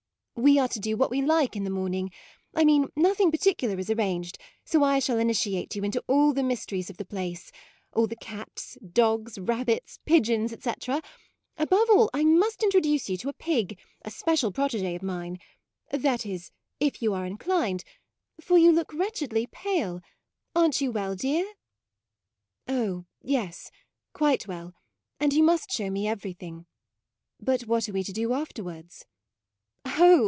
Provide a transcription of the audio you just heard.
"We are to do what we like in the morning: I mean, nothing par ticular is arranged; so I shall initiate you into all the mysteries of the place; all the cats, dogs, rabbits, pigeons, etc.; above all I must introduce you to a pig, a special protege of mine: that is, if you are inclined, for you 16 MAUDE look wretchedly pale; are n't you well, dear? "" Oh yes, quite well, and you must show me everything. But what are we to do afterwards? " u Oh!